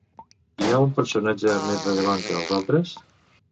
Hi ha un personatge més rellevant que els altres?